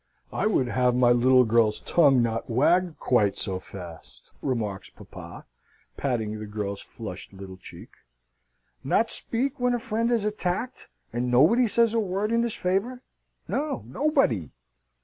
"I would have my little girl's tongue not wag quite so fast," remarks papa, patting the girl's flushed little cheek. "Not speak when a friend is attacked, and nobody says a word in his favour? No; nobody!"